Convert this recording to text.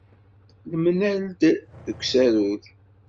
Nemlal-d deg usarug.